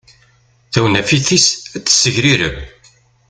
Tawnafit-is ad t-tessegrireb.